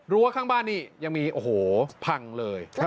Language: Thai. ข้างบ้านนี่ยังมีโอ้โหพังเลย